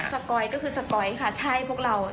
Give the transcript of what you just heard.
สโกยก็คือสโกยค่ะใช่พวกเรา